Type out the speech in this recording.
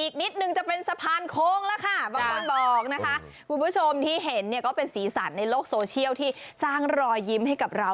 คุณผู้ชมที่เห็นก็เป็นสีสันในโลกโซเชียลที่สร้างรอยยิ้มให้กับเรา